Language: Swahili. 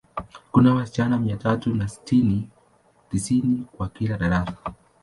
Kuna wasichana mia tatu na sitini, tisini kwa kila darasa.